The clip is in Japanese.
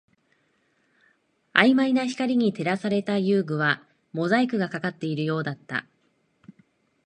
曖昧な光に照らされた遊具はモザイクがかかっているようだった